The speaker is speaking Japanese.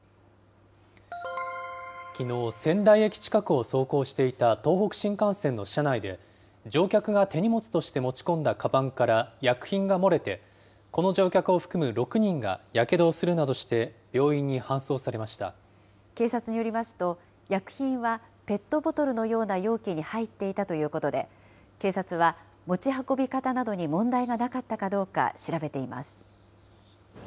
きのう、仙台駅近くを走行していた東北新幹線の車内で、乗客が手荷物として持ち込んだかばんから薬品が漏れて、この乗客を含む６人がやけどをするなどして、病院に搬送されまし警察によりますと、薬品はペットボトルのような容器に入っていたということで、警察は持ち運び方などに問題がなかったかどうか調べています。